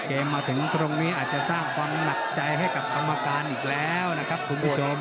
มาถึงตรงนี้อาจจะสร้างความหนักใจให้กับกรรมการอีกแล้วนะครับคุณผู้ชม